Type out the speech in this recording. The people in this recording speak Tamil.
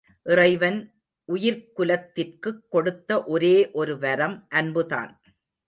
இறைவன் உயிர்க்குலத்திற்குக் கொடுத்த ஒரே ஒரு வரம் அன்புதான்.